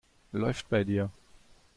Läuft bei dir.